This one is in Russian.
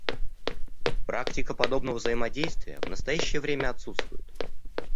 Практика подобного взаимодействия в настоящее время отсутствует.